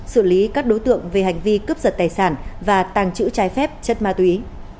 xử lý các đối tượng về hành vi cướp giật tài sản và tàng trữ trái phép chất ma túy